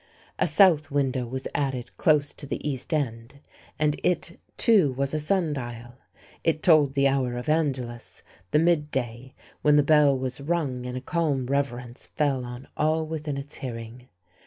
A south window was added close to the east end, and it, too, was a sun dial; it told the hour of angelus, the mid day, when the bell was rung and a calm reverence fell on all within its hearing.